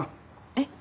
えっ？